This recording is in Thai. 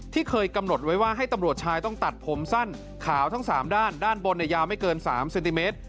เคยกำหนดไว้ว่าให้ตำรวจชายต้องตัดผมสั้นขาวทั้ง๓ด้านด้านบนยาวไม่เกิน๓เซนติเมตร